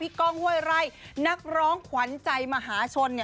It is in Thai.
พี่ก้องเว้ยไร่นักร้องขวัญใจมหาชน